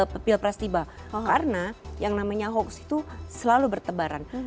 pemilpres tiba karena yang namanya hoax itu selalu bertebaran